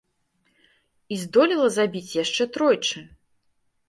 І здолела забіць яшчэ тройчы!